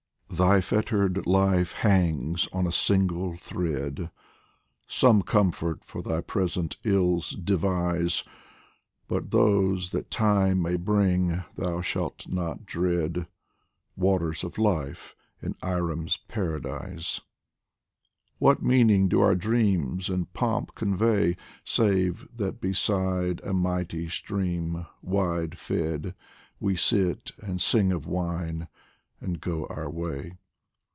Thy fettered life hangs on a single thread Some comfort for thy present ills devise, But those that time may bring thou shalt not dread. Waters of Life and Irem's Paradise What meaning do our dreams and pomp convey, Save that beside a mighty stream, wide fed, We sit and sing of wine and go our way